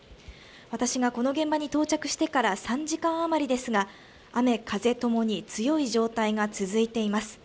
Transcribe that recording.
私がこの現場に到着してから３時間余りですが雨、風ともに強い状態が続いています。